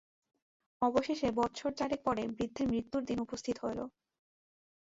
অবশেষে বৎসর চারেক পরে বৃদ্ধের মৃত্যুর দিন উপস্থিত হইল।